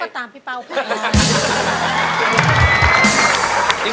แล้วก็ตามพี่เป้าไป